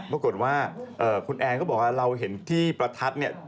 ปรากฏว่าคุณแอนก็บอกว่าเราเห็นที่ประทัดเนี่ย